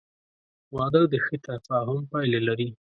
• واده د ښه تفاهم پایله لري.